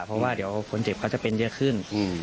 เพราะว่าเดี๋ยวคนเจ็บเขาจะเป็นเยอะขึ้น